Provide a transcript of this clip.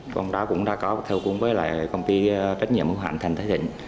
công tác cũng đã có theo cùng với lại công ty trách nhiệm hoàn thành thái định